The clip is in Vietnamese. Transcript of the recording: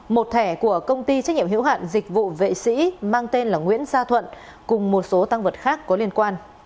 một thẻ của công ty trách nhiệm hữu hạn dịch vụ vệ sĩ mang tên là nguyễn gia thuận cùng một số tăng vật khác có liên quan